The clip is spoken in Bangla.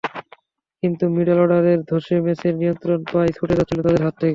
কিন্তু মিডল অর্ডারের ধসে ম্যাচের নিয়ন্ত্রণ প্রায় ছুটে যাচ্ছিল তাদের হাত থেকে।